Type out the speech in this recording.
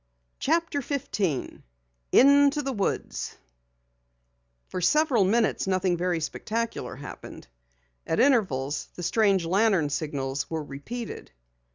CHAPTER 15 INTO THE WOODS For several minutes nothing very spectacular happened. At intervals the strange lantern signals were repeated.